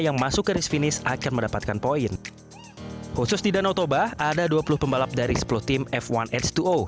yang masuk keris finish akan mendapatkan poin khusus di danau toba ada dua puluh pembalap dari sepuluh tim f satu h dua o